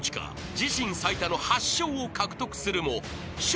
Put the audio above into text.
自身最多の８笑を獲得するも笑